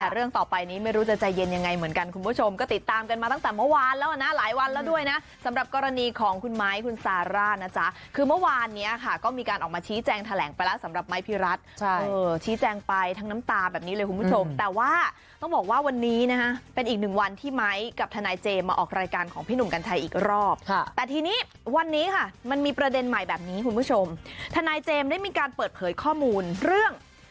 เรื่องต่อไปนี้ไม่รู้จะใจเย็นยังไงเหมือนกันคุณผู้ชมก็ติดตามกันมาตั้งแต่เมื่อวานแล้วนะหลายวันแล้วด้วยนะสำหรับกรณีของคุณไมค์คุณซาร่านะจ๊ะคือเมื่อวานเนี้ยค่ะก็มีการออกมาชี้แจงแถลงไปแล้วสำหรับไมค์พิรัตใช่เออชี้แจงไปทั้งน้ำตาแบบนี้เลยคุณผู้ชมแต่ว่าต้องบอกว่าวันนี้นะฮะเป็นอีกหนึ